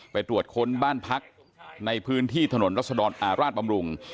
ไปตรวจค้นบ้านพักในพื้นที่ถนนรัศดรอาราชบำรุง